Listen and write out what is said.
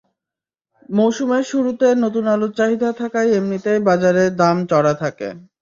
মৌসুমের শুরুতে নতুন আলুর চাহিদা থাকায় এমনিতেই বাজারে দাম চড়া থাকে।